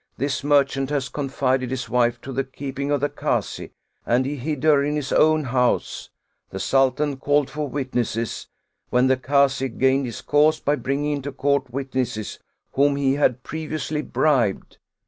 This merchant had confided his wife to the keeping of the Kazi, and he hid her in his own house; the Sultan called for witnesses, when the Kazi gained his cause by bringing into court witnesses whom he had previously bribed.